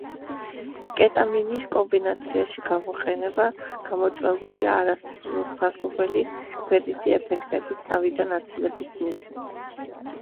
კეტამინის კომბინაციაში გამოყენება გამოწვეულია არასასურველი გვერდითი ეფექტების თავიდან აცილების მიზნით.